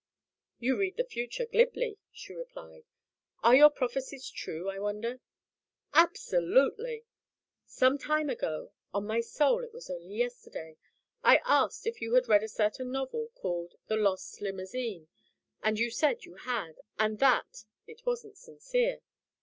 "You read the future glibly," she replied. "Are your prophecies true, I wonder?" "Absolutely. Some time ago on my soul, it was only yesterday I asked if you had read a certain novel called The Lost Limousine, and you said you had, and that it wasn't sincere.